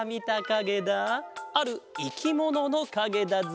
あるいきもののかげだぞ。